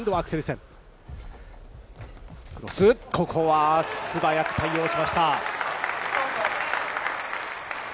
ここは素早く対応しました。